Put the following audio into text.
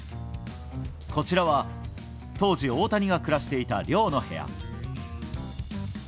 こちらは当時大谷が暮らしていた寮の部屋。